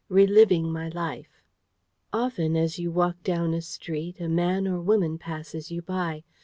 RELIVING MY LIFE Often, as you walk down a street, a man or woman passes you by.